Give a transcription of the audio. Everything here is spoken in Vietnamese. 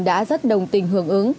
đã rất đồng tình hưởng ứng